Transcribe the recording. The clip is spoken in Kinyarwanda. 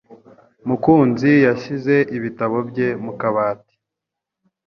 Mukunzi yashyize ibitabo bye mu kabati.